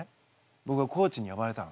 ぼくはコーチによばれたの。